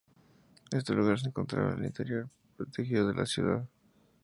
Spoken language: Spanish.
Este lugar se encontraba en el interior protegido de la ciudad.